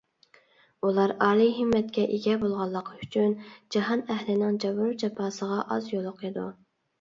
ئۇلار ئالىي ھىممەتكە ئىگە بولغانلىقى ئۈچۈن، جاھان ئەھلىنىڭ جەبرۇ جاپاسىغا ئاز يولۇقىدۇ.